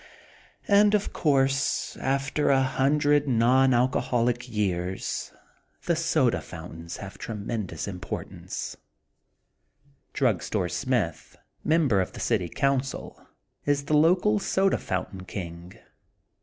And, of course, after a hundred non alcoholic years the soda fountains have tremendous importance. Drug 106 THE GOLDEN BOOK OF SPRINGFIELD Store Smithy member of the city council, is the local Soda Fonntain King.